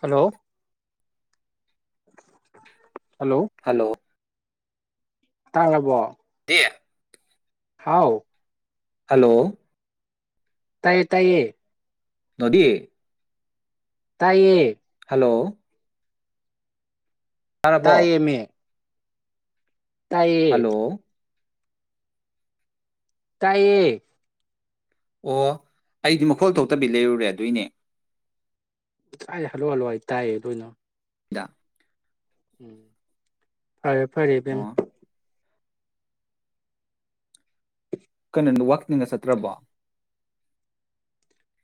Hello hello ꯇꯥꯔꯕꯣ ꯑꯦ ꯍꯥꯎ ꯍꯂꯣ ꯇꯌꯦ ꯇꯌꯦ꯫ ꯗꯣꯗꯤ ꯇꯥꯏꯌꯦ ꯍꯜꯂꯣ ꯇꯥꯔꯕꯣ ꯇꯥꯏꯌꯦꯃꯦ ꯇꯥꯏꯌꯦ ꯍꯜꯂꯣ ꯇꯥꯏꯌꯦ ꯑꯣ ꯑꯩꯗꯤ ꯃꯈꯣꯜ ꯊꯣꯛꯇꯕꯤ ꯂꯩꯔꯨꯔꯦ ꯑꯗꯨꯏꯅꯦ ꯇꯥꯏ ꯍꯜꯂꯣ ꯍꯜꯂꯣꯑꯩꯇꯥꯏꯌꯦ ꯑꯗꯨꯣꯏꯅꯣ ꯏꯗ ꯐꯔꯦ ꯐꯔꯦ ꯏꯕꯦꯃꯥ ꯑꯣ ꯀꯩꯅꯣ ꯋꯥꯛꯀꯤꯡꯒꯥ ꯆꯠꯇ꯭ꯔꯕ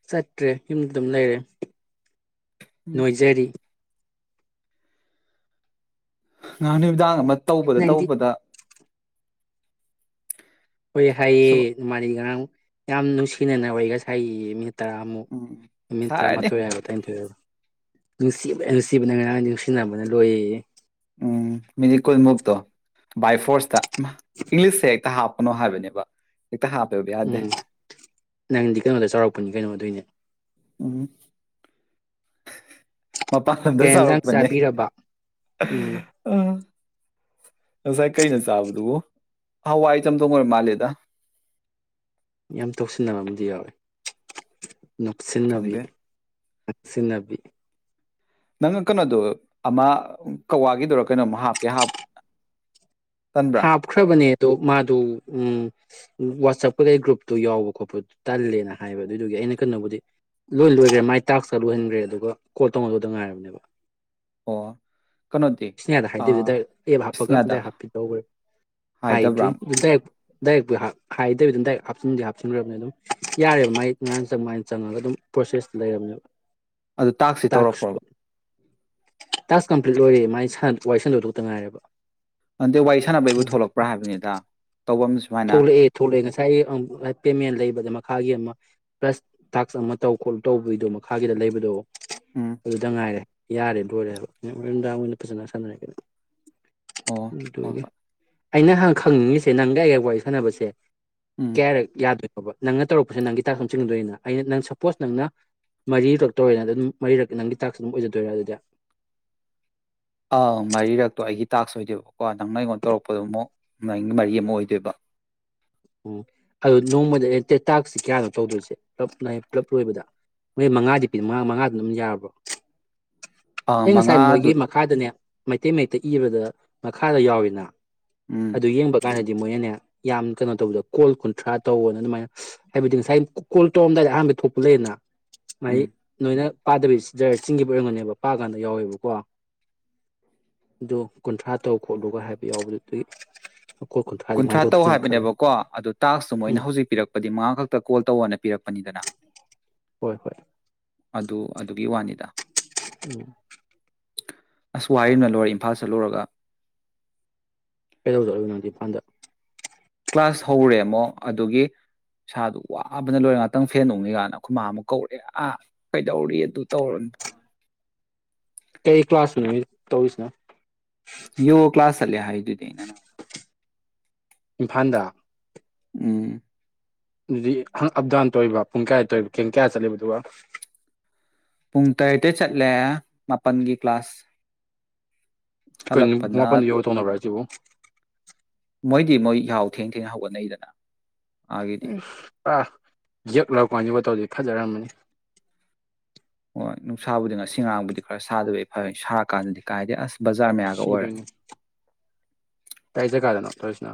ꯆꯠꯇ꯭ꯔꯦ ꯌꯨꯝ ꯑꯗꯨꯝ ꯂꯩꯔꯦ ꯅꯣꯏꯖꯔꯤ [inaudible] ꯇꯧꯕꯗ ꯅꯪꯗꯤ ꯇꯧꯕꯗ ꯍꯣꯏ ꯍꯥꯏꯌꯦ ꯁꯨꯝ ꯃꯥꯅꯤ ꯉꯔꯥꯡ ꯌꯥꯝ ꯅꯨꯡꯁꯤꯅꯅ ꯑꯣꯏ ꯁꯥꯏꯒꯤ ꯃꯤ ꯇꯔꯥꯃꯨꯛ ꯎꯝ ꯅꯨꯃꯤꯠ ꯁꯥꯔꯅꯤ ꯇꯔꯥꯃꯥꯊꯣꯏ ꯍꯥꯏꯒ ꯇꯔꯥꯅꯤꯊꯣꯏꯕ ꯅꯨꯡꯁꯤꯕ ꯅꯨꯡꯁꯤꯕꯅ ꯉꯔꯥꯡ ꯅꯨꯡꯁꯤꯅꯕꯅ ꯂꯣꯏꯌꯦꯌꯦ ꯎꯝ ꯃꯅꯤꯀꯨꯜ ꯃꯨꯛꯇꯣ ꯕꯥꯏ ꯐꯣꯔꯁ ꯇ ꯏꯪꯂꯤꯁ ꯍꯦꯛꯇ ꯍꯥꯞꯄꯣ ꯑꯃ ꯍꯥꯏꯕꯅꯦꯕ ꯍꯦꯛꯇ ꯍꯥꯞꯄꯦꯕ ꯌꯥꯗꯦ ꯎꯝ ꯅꯪꯗꯤ ꯀꯩꯅꯣꯗ ꯆꯥꯎꯔꯛꯄꯅꯤ ꯀꯩꯅꯣ ꯑꯗꯨꯣꯏꯅꯦ ꯎꯝ ꯃꯄꯥꯡꯗ ꯀꯩ ꯌꯦꯟꯖꯥꯡ ꯁꯔꯣꯛꯛꯄꯅꯤ ꯆꯥꯕꯤꯔꯕ ꯎꯝ ꯑ ꯁꯥꯏ ꯀꯩ ꯅ ꯆꯥꯕꯗꯨ ꯍꯑꯋꯥꯑꯣꯏ ꯆꯝꯊꯣꯪ ꯑꯣꯏꯔꯕꯥ ꯃꯜꯂꯦꯗꯥ ꯌꯥꯝ ꯇꯧꯁꯤꯟꯅꯕ ꯑꯃꯗꯤ ꯌꯥꯎꯋꯦ ꯅꯞꯁꯤꯟꯅꯕꯤ ꯈꯪꯗꯦ ꯁꯤꯟꯅꯕꯤꯕꯤ ꯅꯪ ꯀꯩꯅꯣꯗꯣ ꯑꯃ ꯀꯋꯥꯒꯤꯗꯨꯔꯥ ꯀꯩꯅꯣꯝꯃ ꯍꯥꯞꯀꯦ ꯍꯥꯞꯄ ꯍꯥꯞ ꯈ꯭ꯔꯕꯅꯤ ꯑꯗꯣ ꯃꯥꯗꯨ ꯎ ꯋꯥꯆꯞꯀꯗꯩ ꯒ꯭ꯔꯨꯞꯇꯨ ꯌꯥꯎꯕ ꯈꯣꯠꯄꯗꯨ ꯇꯜꯂꯦꯅ ꯍꯥꯏꯕ ꯑꯗꯨꯏꯗꯨꯒꯤ ꯑꯩꯅ ꯀꯩꯅꯣꯕꯨꯗꯤ ꯂꯣꯏ ꯂꯣꯏꯈ꯭ꯔꯦ ꯃꯥꯏ ꯇꯥꯛꯁꯇ ꯂꯣꯏꯍꯟꯈ꯭ꯔꯦ ꯑꯗꯨꯒ ꯀꯣꯜ ꯇꯧꯅꯜꯂꯗ ꯉꯥꯏꯔꯕꯅꯦꯕ ꯑꯣ ꯀꯩꯅꯣꯗꯤ ꯏꯁꯅꯤꯌꯥꯗ ꯍꯥꯏꯗꯣꯏꯗꯨ ꯑꯥ ꯑꯗꯨꯗꯥꯏ ꯑꯦꯞ ꯍꯥꯞꯄꯒ ꯏꯁꯅꯤꯌꯥꯗ ꯑꯗꯨꯗꯥꯏ ꯍꯥꯞꯄꯤ ꯍꯥꯏꯗꯕ꯭ꯔꯥ ꯍꯥꯏꯗ꯭ꯔꯤ ꯏ ꯗꯥꯏꯔꯦꯛꯄꯨ ꯍꯥꯏꯗꯕꯤ ꯑꯗꯨꯝ ꯗꯥꯏꯔꯦꯛ ꯍꯥꯞꯆꯤꯟꯗꯤ ꯍꯥꯞꯆꯤꯟꯈ꯭ꯔꯕꯅꯦ ꯑꯗꯨꯝ ꯌꯥꯔꯦꯕ ꯃꯥꯏ ꯉꯥꯡ ꯆꯪꯉꯥꯏꯅ ꯆꯪꯉꯒ ꯑꯗꯨꯝ ꯄ꯭ꯔꯣꯁꯦꯁꯇ ꯂꯩꯔꯕꯅꯦꯕ ꯑꯗꯨ ꯇꯥꯛꯁꯤ ꯇꯧꯔꯛꯄ꯭ꯔꯣꯕ ꯇꯥꯁ ꯀꯝꯄ꯭ꯂꯤꯠ ꯑꯣꯏꯔꯦ ꯃꯥꯏ ꯋꯥꯔꯤ ꯁꯥꯟꯗꯣꯏꯗꯨ ꯈꯛꯇ ꯉꯥꯏꯦꯕ ꯑꯟꯗꯦ ꯋꯥꯔꯤ ꯁꯥꯟꯅꯕꯩꯕꯨ ꯊꯣꯛꯂꯛꯄ꯭ꯔꯥ ꯍꯥꯏꯕꯅꯤꯗ ꯇꯧꯕ ꯑꯃ ꯁꯨꯃꯥꯏꯅ ꯉꯁꯥꯏꯒꯤ ꯄꯦꯃꯦꯟ ꯂꯩꯕꯗ ꯃꯈꯥꯒꯤ ꯑꯃ ꯄ꯭ꯂꯁ ꯇꯥꯛꯁ ꯑꯃ ꯇꯧ ꯈꯣꯠꯂ ꯇꯧꯕꯒꯤꯗꯣ ꯃꯈꯥꯒꯤꯗ ꯂꯩꯕꯗꯣ ꯎꯝ ꯑꯗꯨꯗ ꯉꯥꯏꯔꯦ ꯌꯥꯔꯦ ꯂꯣꯏꯔꯦ ꯍꯥꯏꯕ ꯅꯨꯡꯗꯥꯡ ꯑꫭꯏꯅ ꯐꯖꯅ ꯁꯥꯟꯅꯔꯀꯦꯗ ꯑꯣ ꯎ ꯍꯣꯏ ꯇꯒꯦ ꯍꯣꯏ ꯑꯩꯅ ꯍꯪ ꯈꯪꯅꯤꯡꯉꯤꯁꯦ ꯅꯪ ꯒ ꯑꯩ ꯒ ꯋꯥꯏ ꯁꯟꯅꯕꯁꯦ ꯎꯝ ꯀꯌꯥꯔꯛ ꯌꯥꯗꫭꯏꯅꫭ ꯑꯣ ꯅꯪꯅ ꯇꯧꯔꯛꯄꯁꯤ ꯅꯪꯒꯤ ꯇꯥꯛꯁ ꯑꯗꯨꯝ ꯆꯤꯡꯒꯗꯣꯏꯔꯤꯅ ꯑꯩꯅ ꯅꯪ ꯁꯄꯣꯁ ꯅꯪꯅ ꯃꯔꯤꯔꯛꯇꯧꯔꯛꯏꯅ ꯑꯗꯨꯝ ꯃꯔꯤꯔꯛ ꯅꯪꯒꯤ ꯇꯥꯛꯁ ꯑꯗꯨꯝ ꯑꯣꯏꯖꯗꯣꯏꯔꯥ ꯑꯗꯨꯗꯤ ꯑꯪ ꯃꯔꯤꯔꯛꯇꯣ ꯑꯩꯒꯤ ꯇꯥꯛꯁ ꯑꯣꯏꯗꯣꯏꯕꯀꯣ ꯅꯪꯅ ꯑꯩꯉꯣꯟꯗ ꯇꯧꯔꯛꯄꯗꯨ ꯑꯃꯨꯛ ꯅꯪꯒꯤ ꯃꯔꯤ ꯑꯃ ꯑꯣꯏꯗꯣꯏꯕ ꯎꯝ ꯑꯗꯨ ꯅꯣꯡꯃꯗꯩꯅ ꯇꯦꯇꯥꯛꯁꯤ ꯀꯌꯥꯅꯣ ꯇꯧꯗꯣꯏꯁꯦ ꯄꯨꯞ ꯄꯨꯂꯞ ꯂꯣꯏꯕꯗ ꯃꯣꯏ ꯃꯉꯥꯗꯤ ꯄꯤ ꯃꯉꯥ ꯃꯉꯥꯗꯨꯅ ꯑꯗꯨꯝ ꯌꯥꯔꯕ꯭ꯔꯣ ꯑꯥ ꯑꯩ ꯉꯁꯥꯏ ꯃꯉꯥꯗꯨ ꯃꯣꯏꯒꯤ ꯃꯈꯥꯗꯅꯦ ꯃꯩꯇꯩ ꯃꯩꯇꯩ ꯏꯕꯗ ꯃꯈꯥꯗ ꯌꯥꯎꯋꯦꯅ ꯎꯝ ꯑꯗꯨ ꯌꯦꯡꯕ ꯀꯥꯟꯗ ꯑꯗꯨ ꯃꯣꯏꯅꯅꯦ ꯌꯥꯝ ꯀꯩꯅꯣ ꯇꯧꯕꯗ ꯀꯣꯜ ꯀꯨꯟꯊ꯭ꯔꯥ ꯇꯧꯅ ꯑꯗꯨꯃꯥꯏꯅ ꯍꯥꯏꯕꯗꯤ ꯉꯁꯥꯏ ꯀꯣꯜ ꯇꯧꯔꯝꯗꯥꯏꯗ ꯑꯍꯥꯟꯕ ꯊꯣꯛꯄ ꯂꯩꯌꯦꯅ ꯃ ꯎꯝ ꯅꯣꯏꯅ ꯄꯥꯗꯕꯤꯁꯤꯗ ꯆꯤꯡꯒꯤꯕꯨ ꯑꯣꯏꯔꯝꯒꯅꯦꯕ ꯄꯥ ꯀꯥꯟꯗ ꯌꯥꯎꯋꯦꯕꯀꯣ ꯑꯗꯨ ꯀꯨꯟꯊ꯭ꯔꯥ ꯇꯔꯨ ꯈꯣꯠꯂꯨꯒ ꯍꯥꯏꯕ ꯌꯥꯎꯕꯗꯨ ꯑꯗꯨꯗꯤ ꯀꫭꯜ ꯀꯨꯟꯊꯔꯥꯗꯤ ꯀꯃꯥꯏ ꯇꯧꯗꫭꯏꯅꫭ ꯈꯜꯂꯤ ꯀꯣ ꯑꯗꯨꯣ ꯇꯥꯛꯁꯁꯨ ꯃꯣꯏꯅ ꯍꯧꯖꯤꯛ ꯄꯤꯔꯛꯄꯗꯤ ꯃꯉꯥ ꯈꯛꯇ ꯀꯣꯜ ꯇꯧꯅ ꯄꯤꯔꯛꯄꯅꯤꯗꯅ ꯍꯣꯏ ꯍꯣꯏ ꯑꯗꯨ ꯑꯗꯨꯒꯤ ꯋꯥꯅꯤ ꯅꯤꯗ ꯎꯝ ꯑꯁ ꯋꯥꯌꯦꯅ ꯂꯣꯏꯔꯦ ꯏꯝꯐꯥꯜ ꯆꯠꯂꯨꯔꯒ ꯀꯩꯗꯧ ꯆꯠꯂꯨꯏꯅꫭ ꯅꯪꯗꯤ ꯏꯐꯥꯟꯜꯗ ꯀ꯭ꯂꯥꯁ ꯍꯧꯔꯦ ꯑꯃꯨꯛ ꯑꯗꯨꯒꯤ ꯏꯁꯥꯗꯨ ꯋꯥꯕꯅ ꯂꯣꯏꯔ ꯉꯥꯛꯇꯪ ꯐꯦꯟ ꯅꯣꯛꯉ ꯀꯥꯏꯅ ꯈꯨꯈꯣꯏꯃ ꯑꯃꯨꯛ ꯀꯧꯔꯛꯑꯦ ꯑꯥ ꯀꯩꯗꯧꯔꯤ ꯑꯗꯨ ꯇꯧꯔꯅꯤ ꯇꯧꯔ ꯀꯩ ꯀ꯭ꯂꯥꯁ ꯅꯨꯃꯤꯠ ꯇꯧꯔꯤꯁꯤꯅꯣ ꯌꫭꯒ ꯀ꯭ꯂꯥꯁ ꯆꯠꯂꯦ ꯍꯥꯏꯗꯨꯗꯤ ꯑꯩꯅ ꯅꯪꯉꫭꯟꯗ ꯏꯝꯐꯥꯜꯗ ꯎꯝ ꯑꯗꯨꯗꯤ ꯑꯞ ꯗꯥꯎꯟ ꯇꯧꯔꯤꯕ ꯄꯨꯡ ꯀꯌꯥꯗ ꯇꯧꯔꯤꯕ ꯄꯨꯡ ꯀꯌꯥ ꯆꯠꯂꯤꯕ ꯑꯗꯨꯒ ꯄꯨꯡ ꯇꯔꯦꯇꯩ ꯆꯠꯂꯦ ꯃꯥꯄꯜꯒꯤ ꯀ꯭ꯂꯥꯁ ꯀꯈꯣꯏ ꯍꯜꯂꯛꯄꯅ ꯃꯥꯄꯟꯗ ꯌꫭꯒ ꯇꯧꯅꯕ꯭ꯔ ꯍꯥꯏꯁꯤꯕꯨ ꯃꯣꯏꯗꯤ ꯃꯣꯏ ꯌꯍꯧ ꯊꯦꯡ ꯊꯦꯡ ꯍꯧꯒꯠꯅꯩꯗꯅ ꯑꯥꯒꯤꯗꯤ ꯎꯝ ꯑ ꯌꯛꯂꯥꯎꯀꯟ ꯌꫭꯒ ꯇꯧꯔꯤ ꯐꯖꯔꯝꯕꯅꯤ ꯅꯨꯡꯁꯥꯕꯨꯗꯤ ꯉꯁꯤ ꯉꯔꯥꯡꯕꯨꯗꯤ ꯈꯔ ꯁꯥꯗꯕ ꯐꯩ ꯁꯥꯔꯀꯥꯟꯗꯗꯤ ꯀꯥꯏꯗꯦ ꯑꯁ ꯕꯖꯥꯔ ꯃꯌꯥꯒ ꯑꯣꯏꯔꯦ ꯀꯩꯁꯦ ꯀꯥꯗꯅꯣ ꯄꯁꯅ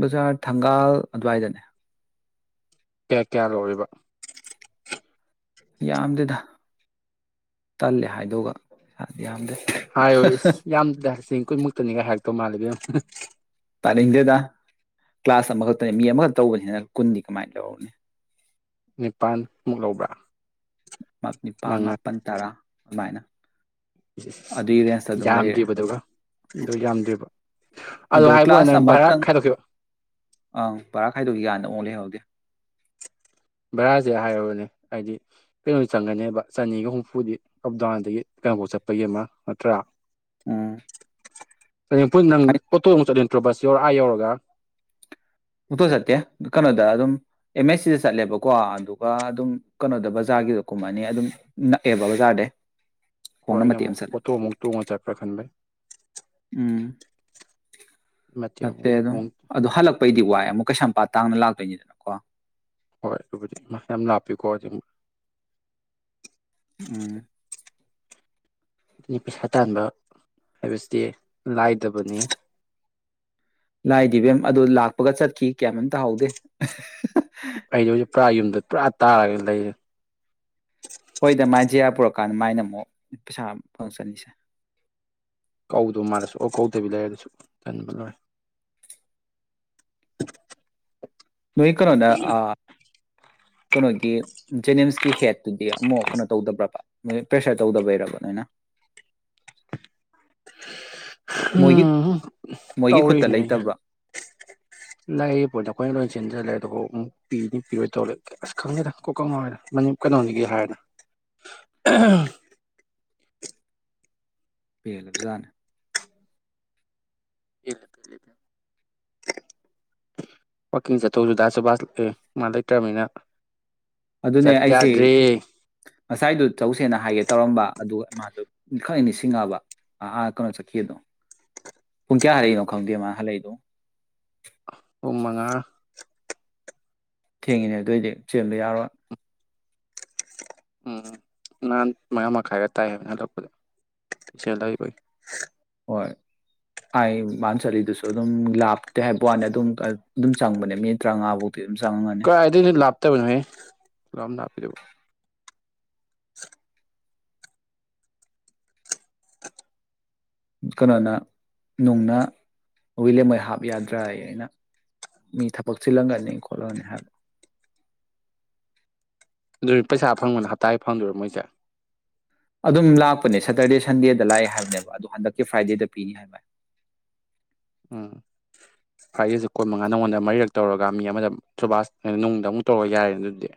ꯕꯖꯥꯔ ꯊꯪꯒꯥꯜ ꯑꯗꯨꯋꯥꯏꯗꯅꯦ ꯀꯌꯥ ꯀꯌꯥ ꯂꯣꯔꯤꯕ ꯌꯥꯝꯗꯦꯗ ꯇꯜꯂꯦ ꯍꯥꯏꯗꯒ ꯏꯁꯥꯗꯤ ꯌꯥꯝꯗꯦ ꯍꯥꯏꯣꯏ ꯌꯥꯝꯗꯔꯣꯏ ꯅꯤꯒ ꯍ ꯇꯧ ꯃꯥꯜꯒ ꯇꯥꯅꯤꯡꯗꯗ ꯀ꯭ꯂꯥꯁ ꯑꯃꯈꯛꯇꯅꯤ ꯃꯤ ꯑꯃꯈꯛꯇ ꯇꯧꯕꯅꯤꯅ ꯀꯨꯟꯗꯤ ꯀꯃꯥꯏꯅ ꯂꯧꯔꯨꯅꯤ ꯅꯤꯄꯥꯜꯃꯨꯛ ꯂꯧꯕ꯭ꯔꯥ ꯅꯤꯄꯥꯜ ꯃꯉꯥ ꯃꯥꯄꯜ ꯇꯔꯥ ꯑꯗꯨꯃꯥꯏꯅ ꯑꯗꯨꯒꯤ ꯔꯦꯟꯖꯇ ꯑꯗꯨꯝ ꯂꯩꯔꯦ ꯌꯥꯝꯗ꯭ꯔꯤꯕꯗꯨꯒ ꯑꯗꯨ ꯌꯥꯝꯗ꯭ꯔꯤꯕ ꯑꯗꯣ ꯍꯥꯏꯕ ꯋꯥꯅꯦ ꯀ꯭ꯂꯥꯁ ꯅꯪ ꯚꯔꯥ ꯑꯃꯛꯇꯪ ꯈꯥꯏꯗꯣꯛꯈꯤꯕ ꯑꯪ ꯄꯔꯥ ꯈꯥꯏꯗꯣꯛ ꯌꯥꯗ ꯑꯃꯨꯛ ꯂꯩꯍꯧꯒꯦ [inaudible] ꯚꯔꯥꯁꯦ ꯍꯥꯏꯔꯨꯔꯅꯦ ꯍꯥꯏꯗꯤ ꯀꯩꯅꯣ ꯆꯪꯒꯅꯦꯕ ꯆꯅꯤꯒ ꯍꯨꯝꯐꯨꯗꯤ ꯑꯞ ꯗꯥꯎꯟꯗꯒꯤ ꯀꯩꯅꯣꯐꯧ ꯆꯠꯄꯒꯤ ꯑꯃ ꯅꯠꯇ꯭ꯔꯥ ꯎꯝ ꯣꯏ ꯅꯪꯠꯇꯣ ꯆꯠ ꯇ꯭ꯔꯣꯕꯁꯤ ꯌꯣꯔ ꯑꯥ ꯌꯧꯔꯒ ꯑꯣꯇꯣ ꯆꯠꯇꯦ ꯀꯩꯅꯣꯗ ꯑꯗꯨꯝ ꯑꯦꯝ ꯑꯦꯁ ꯁꯤꯗ ꯆꯠꯂꯦꯕꯀꯣ ꯑꯗꯨꯒ ꯑꯗꯨꯝ ꯀꯩꯅꯣꯗ ꯕꯖꯥꯔꯒꯤꯗꯣ ꯀꯨꯝ ꯑꯅꯤ ꯑꯗꯨꯝ ꯅꯛꯑꯦꯕ ꯕꯖꯥꯔꯗ ꯍꯣꯏ ꯑꯩꯅ ꯑꯃꯨꯛ ꯄꯣꯠꯇꯣ ꯑꯃꯨꯛ ꯇꯣꯡꯉꯒ ꯆꯠꯄ꯭ꯔꯥ ꯈꯟꯕꯩ ꯎꯝ ꯃꯇꯦꯛ ꯆꯠꯇꯦ ꯑꯃꯨꯛ ꯑꯗꯨꯗꯝ ꯈꯣꯡ ꯑꯣ ꯍꯜꯂꯛꯄꯩꯗꯤ ꯋꯥꯏꯑꯦ ꯑꯃꯨꯛ ꯀꯩꯁꯥꯝꯄꯥꯠ ꯇꯥꯡꯅ ꯂꯥꯛꯇꯣꯏꯅꯤꯗꯅꯀꯣ ꯍꯣꯏ ꯑꯗꯨꯕꯨꯗꯤ ꯌꯥꯝ ꯂꯥꯛꯞꯄꯤꯌꯨꯀꯣꯖꯤ ꯎꯝ ꯑꯗꯨ ꯄꯩꯁꯥ ꯇꯥꯟꯕ ꯍꯥꯏꯕꯁꯤꯗꯤ ꯂꯥꯏꯗꯕꯅꯤ ꯗꯤꯕꯦꯝ ꯑꯗꯨ ꯂꯥꯛꯄꯒ ꯆꯠꯈꯤ ꯀꯌꯥꯝ ꯑꯝꯇ ꯍꯥꯎꯗꯦ ꯍꯥꯏꯖꯧꯦ ꯄꯨꯔꯥ ꯌꯨꯝꯗ ꯄꯨꯔꯥ ꯇꯥꯔꯒ ꯂꯩꯌꯦ ꯍꯣꯏꯗ ꯃꯥꯏ ꯖꯤꯌꯥ ꯄꯨꯔꯛꯀꯥꯟꯗ ꯃꯥꯏꯅ ꯑꯃꯨꯛ ꯄꯩꯁꯥ ꯐꯪꯉꯛ ꯆꯅꯤꯁꯦ ꯀꯧꯗꯧ ꯃꯥꯜꯂꯁꯨ ꯑꯣ ꯀꯧꯗꯕꯤ ꯂꯩꯔꯁꯨ ꯆꯟꯕ ꯂꯣꯏꯔ [inaudible] ꯅꯣꯣꯏ ꯀꯅꯣꯗ ꯑ ꯀꯅꯒꯤ ꯦꯅꯤꯝꯁ ꯀꯤꯍꯦꯠ ꯑꯗꯨꯗꯤ ꯑꯃꯨꯛ ꯀꯩꯅꯣ ꯇꯧꯗꯕ꯭ꯔꯕ ꯄ꯭ꯔꯦꯁꯔ ꯇꯧꯗꯕ ꯍꯩꯔꯕꯅꯤ ꯑꯅ ꯎꯝ ꯃꯣꯏꯒꯤ ꯈꯨꯠꯇ ꯇꯧꯔꯤꯅꯤꯅ ꯑꯩꯅ ꯂꯩꯇꯕ꯭ꯔꯣ ꯂ ꯄꯣꯗ ꯑꯩꯈꯣꯏ ꯆꯦꯟꯁꯤꯜꯂꯦ ꯑꯗꯨꯒꯕꯨ ꯑꯃꯨꯛ ꯄꯤꯗꯤ ꯄꯤꯔꯣꯏ ꯇꯧꯔꯦ ꯑꯁ ꯈꯪꯉꯦꯗ ꯀꯣꯪꯅꯗ ꯀꯩꯅꯣꯅꯤꯒꯤ ꯍꯥꯏꯔꯅ ꯄꯦꯟꯂꯕ ꯖꯥꯠꯅꯤ [unintelligible] ꯋꯥꯛꯀꯤꯡ ꯆꯠꯇꯧꯁꯨ ꯗꯥꯁꯨꯕꯁ ꯃꯥ ꯂꯩꯇ꯭ꯔꯝꯅꯤꯅ ꯑꯗꯨꯅꯦ ꯆꯠ ꯑꯩꯁꯦ ꯌꯥꯗꯔ꯭ꯦ ꯉꯁꯥꯏꯗꯨ ꯆꯧꯁꯦꯅ ꯍꯥꯏꯒꯦ ꯇꯧꯔꯝꯕ ꯑꯗꯨꯒ ꯃꯥꯁꯨ ꯈꯛ ꯅꯤꯡꯁꯤꯡꯉꯛꯑꯕ ꯑꯥ ꯀꯩꯅꯣ ꯆꯠꯈꯤꯗꯣ ꯄꯨꯡ ꯀꯌꯥ ꯍꯜꯔꯛꯏꯅꯣ ꯈꯪꯗꯦ ꯃꯥ ꯍꯜꯂꯛꯏꯗꯣ ꯄꯨꯡ ꯃꯉꯥ ꯊꯦꯡꯉꯤꯅꯦ ꯑꯗꯨꯏꯗꯤ ꯆꯦꯟꯕ ꯌꯥꯔꯣꯏ ꯎꯝ ꯅꯍꯥꯟ ꯃꯉꯥ ꯃꯈꯥꯏꯒ ꯇꯥꯏ ꯍꯥꯏꯅ ꯍꯂꯛꯄꯗꯤ ꯆꯦꯜꯂꯕꯩ ꯍꯣꯏ ꯑꯩ ꯃꯥꯥꯟ ꯆꯠꯂꯤꯗꯨꯁꯨ ꯑꯗꯨꯝ ꯂꯥꯞꯇꯦ ꯍꯥꯏꯕ ꯋꯥꯅꯤ ꯑꯗꯨꯝ ꯑꯗꯨꯝ ꯆꯪꯕꯅꯦ ꯃꯤ ꯇꯔꯥꯉꯥꯐꯥꯎ ꯃꯨꯛꯇꯤ ꯆꯪꯉꯝꯒꯅꯤ ꯆꯠꯇꯕꯅꯣꯍꯦ ꯂꯑꯝ ꯊ ꯍꯥꯄꯤꯗꯕ [unintelligible] [inaudible] ꯀꯩꯅꯣꯅ ꯅꯨꯡꯅ ꯋꯤꯂꯦꯝꯍꯣꯏ ꯍꯥꯞ ꯌꯥꯗ꯭ꯔꯥ ꯑꯩꯅ ꯃꯤ ꯊꯕꯛ ꯆꯤꯜꯂꯝꯒꯅꯤ ꯈꯣꯠꯂꯒꯅꯤ ꯍꯥꯏꯕ ꯑꯗꯨꯗꯤ ꯄꯩꯁꯥ ꯐꯪꯕꯅ ꯍꯞꯇꯥ ꯐꯪꯗꯣꯏꯔꯥ ꯃꯣꯏꯁꯦ ꯑꯗꯨꯝ ꯂꯥꯛꯄꯅꯦ ꯁꯦꯇꯔꯗꯦ ꯁꯟꯗꯦꯗ ꯂꯥꯛꯑꯦ ꯍꯥꯏꯕꯅꯦꯕ ꯑꯗꯨ ꯍꯟꯗꯛꯀꯤ ꯐ꯭ꯔꯥꯏꯗꯦꯗ ꯄꯤꯅꯤ ꯍꯥꯏꯕ ꯎꯝ ꯐꯥꯔꯤꯁꯦ ꯀꯨꯟꯃꯉꯥ ꯅꯪꯉꯣꯟꯗ ꯃꯔꯤꯔꯛ ꯇꯧꯔꯒ ꯃꯤ ꯑꯃꯗ ꯁꯨꯕꯥꯁ ꯅꯨꯡꯗ ꯑꯃꯨꯛ ꯇꯧꯔꯒ ꯌꯥꯔꯦ ꯑꯗꯨꯗꯤ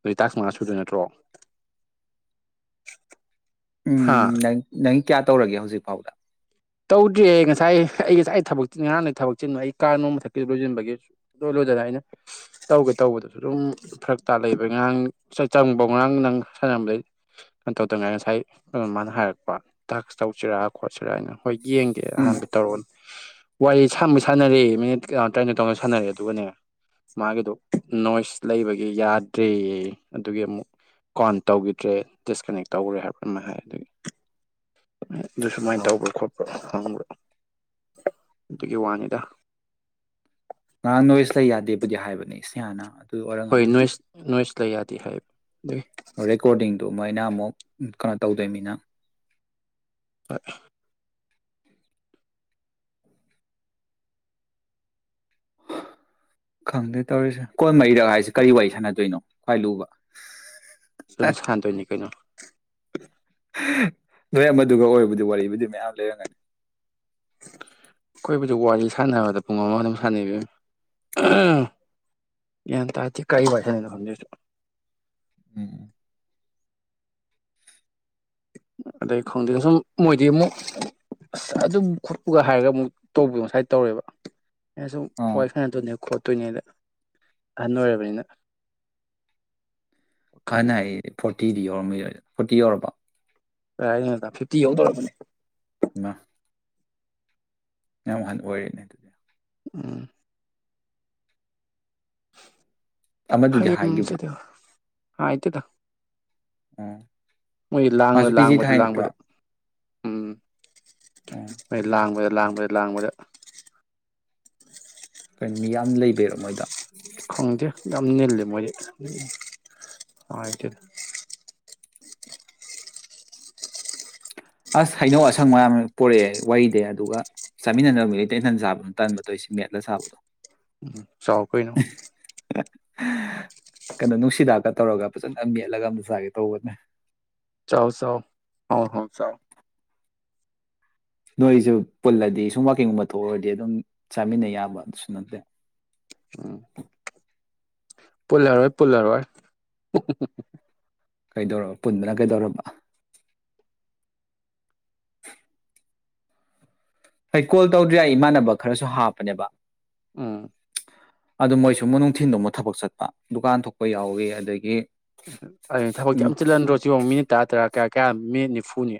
ꯑꯗꯨꯗꯤ ꯇꯥꯛꯁ ꯃꯉꯥ ꯁꯨꯗ ꯅꯠꯇ꯭ꯔꯣ ꯍꯥ ꯎꯝ ꯀꯌꯥ ꯇꯧꯔꯒꯦ ꯍꯧꯖꯤꯛ ꯐꯥꯎꯗ ꯇꯧꯗ꯭ꯔꯤꯌꯦ ꯉꯁꯥꯏ ꯑꯩ ꯉꯁꯥꯏ ꯊꯕꯛ ꯉꯔꯥꯡ ꯂꯩ ꯊꯕꯛ ꯆꯤꯟ ꯑꯩ ꯀꯥ ꯅꯣꯡ ꯃꯊꯛꯀꯤ ꯂꯣꯏꯁꯤꯟꯕꯒꯤ ꯂꯣꯏ ꯂꯣꯏꯗꯅ ꯑꯩꯅ ꯇꯧꯒꯦ ꯇꯧꯕꯗꯁꯨ ꯑꯗꯨꯝ ꯐꯔꯛ ꯇꯥ ꯂꯩꯕ ꯉꯔꯥꯡ ꯆꯪꯕꯧ ꯉꯔꯥꯡ ꯅꯪ ꯁꯥꯟꯅꯝꯕꯩ ꯀꯩꯅꯣ ꯇꯧꯗꯉꯥꯏ ꯉꯁꯥꯏ ꯃꯥꯅ ꯍꯥꯏꯔꯛꯄ ꯇꯥꯛꯁ ꯇꯧꯁꯤꯔꯥ ꯈꯣꯠꯁꯤꯔꯥ ꯑꯩꯅ ꯌꯦꯡꯒꯦ ꯎꯝ ꯑꯍꯥꯟꯕ ꯇꯧꯔꯣ ꯋꯥꯔꯤ ꯁꯥꯟꯃꯩ ꯁꯥꯟꯅꯔꯦ ꯃꯤꯅꯤꯠ ꯀ ꯇꯔꯥꯅꯤꯅꯤꯠ ꯇꯧꯅ ꯁꯥꯟꯅꯔꯦ ꯑꯗꯨꯒꯅꯦ ꯃꯥꯒꯤꯗꯣ ꯅꯣꯏꯁ ꯂꯩꯕꯒꯤ ꯌꯥꯗ꯭ꯔꯦꯌꯦ ꯑꯗꯨꯒꯤ ꯑꯃꯨꯛ ꯀꯥꯎꯟ ꯇꯧꯈꯤꯗ꯭ꯔꯦ ꯗꯤꯁꯀꯅꯦꯛ ꯇꯧꯈ꯭ꯔꯦ ꯍꯥꯏꯕ ꯑꯃ ꯍꯥꯏ ꯑꯗꯨꯒꯤ ꯑꯗꯨ ꯁꯨꯃꯥꯏꯅ ꯑꯣꯍꯣ ꯇꯧꯕ꯭ꯔꯥ ꯈꯣꯠꯄ꯭ꯔ ꯊ [inaudible] ꯑꯗꯨꯒꯤ ꯋꯥꯅꯤꯗ ꯑ ꯅꯣꯏꯁ ꯂꯩ ꯌꯥꯗꯦꯕꯨꯗꯤ ꯍꯥꯏꯕꯅꯦ ꯏꯁ ꯍꯥꯟꯅ [unintelligible] ꯍꯣꯏ ꯅꯣꯏꯁ ꯂꯩ ꯌꯥꯗꯦ ꯍꯥꯏꯌꯦꯕ ꯑꯗꯨꯏ ꯔꯦꯀꯣꯔꯗꯤꯡꯗꯨ ꯃꯣꯏꯅ ꯑꯃꯨꯛ ꯀꯩꯅꯣ ꯇꯧꯗꯣꯏꯅꯤꯅ ꯍꯣꯏ ꯈꯪꯗꯦ ꯇꯧꯔꯤꯁꯦ ꯀꯣꯟ ꯃꯔꯤꯔꯛ ꯍꯥꯏꯁꯦ ꯀꯔꯤ ꯋꯥꯔꯤ ꯁꯥꯟꯅꯗꯣꯏꯅꯣ ꯈ꯭ꯋꯥꯏ ꯂꯨꯕ ꯑꯗꯨꯝ ꯁꯥꯟꯗꯣꯏꯅꯤ ꯀꯩꯅꯣ ꯅꯣꯏ ꯑꯃꯗꯨꯒ ꯑꯣꯏꯕꯨꯗꯤ ꯋꯥꯔꯤꯕꯨꯗꯤ ꯃꯌꯥꯝ ꯂꯩꯔꯝꯒꯅꯤ ꯑꯩꯈꯣꯏꯕꯨꯗꯤ ꯋꯥꯔꯤ ꯁꯥꯟꯅꯕꯗ ꯄꯨꯡ ꯑꯃ ꯑꯗꯨꯝ ꯁꯥꯟꯅꯩ ꯏꯕꯦꯝꯃ ꯒ꯭ꯌꯥꯟ ꯇꯥꯗꯦ ꯀꯔꯤ ꯋꯥꯔꯤ ꯁꯥꯟꯅꯩꯅꯣ ꯈꯪꯗꯦ ꯎꯝ ꯑꯗꯩ ꯈꯪꯗꯦ ꯁꯨꯝ ꯃꯣꯏꯗꯤ ꯑꯃꯨꯛ ꯑꯁ ꯑꯗꯨꯝ ꯈꯣꯠꯄꯨꯒ ꯍꯥꯏꯔꯒ ꯑꯃꯨꯛ ꯇꯧꯕꯤꯌꯨ ꯉꯁꯥꯏ ꯇꯧꯔꯦꯕ ꯑꯩꯅ ꯁꯨꯝ ꯑꯥ ꯋꯥꯏ ꯁꯥꯟꯅ ꯇꯣꯏꯅꯦ ꯈꯣꯠꯇꯣꯏꯅꯦꯗ ꯑꯍꯟ ꯑꯣꯏꯔꯕꯅꯤꯅ ꯍꯥ ꯐ ꯋꯥꯈꯟꯗꯣ [inaudible] ꯐꯣꯔꯇꯤ ꯌꯧꯔꯝꯈꯤꯔꯣꯏꯗ ꯐꯣꯔꯇꯤ ꯌꯧꯔꯕꯣ ꯀꯔꯥꯏꯗꯩꯩꯅꯣꯗ ꯐꯤꯐꯇꯤ ꯌꯧꯗꯧꯔꯕꯅꯤ [inaudible] ꯌꯥꯝ ꯋꯥ ꯍꯟꯅ ꯑꯣꯏꯔꯅꯦ ꯑꯗꯨꯗꯤ ꯎꯝ ꯎꯝ ꯑꯃꯗꯨꯗꯤ ꯍꯥꯏꯈꯤꯕ꯭ꯔꯥ ꯑ ꯑ ꯇ ꯇ ꯑ ꯃꯣꯏ ꯂꯥꯡꯕꯗ ꯂꯥꯡꯕꯗ ꯂꯥꯡꯕꯗ ꯎꯝ ꯎꯝ ꯃ ꯂꯕ ꯂꯥꯡꯕꯗ ꯂꯥꯡꯕꯗ ꯀꯣꯏꯣ ꯃꯤ ꯌꯥꯝ ꯂꯩꯕꯩꯔꯣ ꯃꯣꯏꯗ ꯉꯝ ꯂꯩꯦ ꯃꯔꯤ ꯑꯁ ꯍꯩꯅꯧ ꯑꯁꯪ ꯃꯌꯥꯝ ꯄꯨꯔꯛꯑꯦ ꯋꯥꯔꯤꯗꯩ ꯑꯗꯨꯒ ꯆꯥꯃꯤꯟꯅꯗꯅꯕ ꯃꯤ ꯂꯩꯇ ꯏꯟꯊꯟ ꯁꯥꯕꯗꯨ ꯇꯟꯕ ꯇꯧꯁꯤꯦ ꯃꯦꯠꯂ ꯁꯥꯕꯗꯣ ꯎꯝ ꯁꯥꯎ ꯀꯣꯏꯅ ꯀꯩꯅꯣ ꯅꯨꯡꯁꯤꯗꯥꯛꯀ ꯇꯧꯔꯒ ꯐꯖꯅ ꯃꯦꯠꯂꯒ ꯑꯝꯇ ꯆꯥꯒꯦ ꯇꯧꯕꯅꯦ ꯆꯥꯎ ꯁꯣ ꯍꯥꯎ ꯍꯥꯎ ꯆꯥꯎ ꯅꯣꯏꯁꯨ ꯄꯨꯜꯂꯗꯤ ꯁꯨꯝ ꯥꯛꯀꯤꯡꯒꯨꯝꯕ ꯊꯣꯛꯎꯔꯗꯤ ꯑꯗꯨꯝ ꯆꯥꯃꯤꯟꯅ ꯌꯥꯕ ꯑꯗꯨꯁꯨ ꯅꯠꯇꯦ ꯎ ꯄꯣꯜꯂꯥꯔꯋꯥꯣꯏ ꯄꯣꯜꯂꯥꯔꯋꯥꯔ ꯀꯩꯗꯧꯔꯕ ꯄꯨꯟꯗꯅ ꯀꯩꯗꯧꯔꯕ ꯍꯣꯏ ꯀꯣꯜ ꯇꯧꯗ꯭ꯔꯤ ꯑꯩ ꯏꯃꯥꯟꯅꯕ ꯈꯔꯁꯨ ꯍꯥꯞꯄꯅꯦꯕ ꯎꯝ ꯑꯗꯨ ꯃꯣꯏꯁꯨ ꯅꯨꯡꯊꯤꯟꯗꯧꯃ ꯊꯕꯛ ꯆꯠꯄ ꯗꯨꯀꯥꯟ ꯊꯣꯛꯄ ꯌꯥꯎꯏꯤ ꯑꯗꯒꯤ ꯎ ꯑꯗꯨ ꯊꯕꯛꯇꯤ ꯌꯥꯝ ꯆꯤꯜꯍꯟꯗ꯭ꯔꯣ ꯆꯉ ꯃꯤꯅꯤꯠ ꯇꯔꯥ ꯇꯔꯥ ꯀꯌꯥ ꯀꯌꯥ ꯃꯤ ꯅꯤꯐꯨꯅꯤ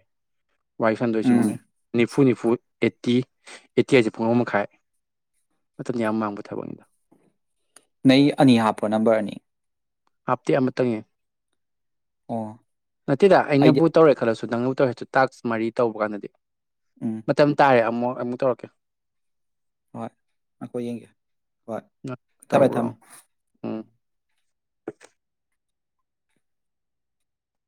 ꯋꯥꯏ ꯐ ꯂꯣꯏꯁꯤ ꯃ ꯎꯝ ꯅꯤꯐꯨ ꯅꯤꯐꯨ ꯑꯦꯠꯇꯤ ꯑꯦꯠꯇꯤ ꯍꯥꯏꯁꯦ ꯄꯨꯡ ꯑꯃ ꯃꯈꯥꯏ ꯃꯇꯝꯗ ꯌꯥꯝ ꯃꯥꯡꯕ ꯊꯕꯛꯅꯤꯗ ꯅ ꯑꯅꯤ ꯍꯥꯞꯄꯣ ꯅꯝꯕꯔꯅꯤ ꯍꯥꯞꯇꯤ ꯑꯃꯇꯪꯉꯦ ꯑ ꯅꯠꯇꯦꯗ ꯑꯩꯅꯕꯨ ꯇꯧꯔꯦ ꯈꯜꯂꯁꯨ ꯑ ꯅꯪꯅ ꯇꯧꯔꯦꯁꯨ ꯇꯥꯛꯁ ꯃꯔꯤ ꯇꯧꯕ ꯀꯥꯟꯗꯗꯤ ꯎꯝ ꯃꯇꯝ ꯇꯥꯔꯦ ꯑꯃꯨꯛ ꯑꯃꯨꯛ ꯊꯧꯔꯛꯀꯦ ꯍꯣꯏ ꯑꯩꯈꯣꯏ ꯌꯦꯡꯒꯦ ꯍꯣꯏ ꯊꯝꯃꯦ ꯇꯧꯈ꯭ꯔꯣ ꯊꯝꯃꯦ [unintelligible]